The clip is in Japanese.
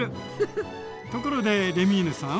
ところでレミーヌさん！